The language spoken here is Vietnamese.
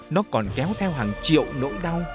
nó còn kéo theo hàng triệu nỗi đau